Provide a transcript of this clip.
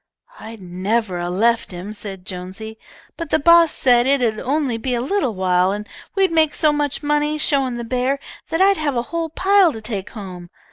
"I'd never a left him," said Jonesy, "but the boss said it 'ud only be a little while and we'd make so much money showin' the bear that I'd have a whole pile to take home.